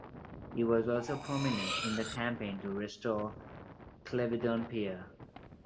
He was also prominent in the campaign to restore Clevedon Pier.